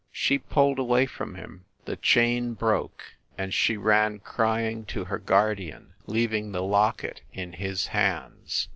She pulled away from him, the chain broke, and she ran crying to her guardian, leaving the locket in his hands.